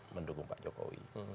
mendukung pak jokowi